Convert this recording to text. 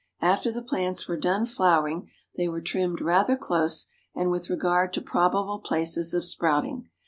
After the plants were done flowering, they were trimmed rather close, and with regard to probable places of sprouting.